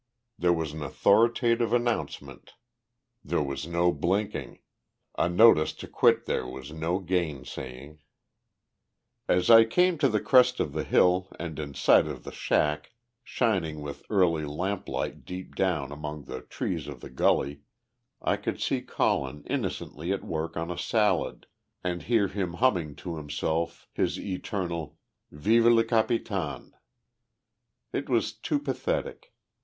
There was an authoritative announcement there was no blinking, a notice to quit there was no gain saying. As I came to the crest of the hill, and in sight of the shack, shining with early lamp light deep down among the trees of the gully, I could see Colin innocently at work on a salad, and hear him humming to himself his eternal "Vive le Capitaine." It was too pathetic.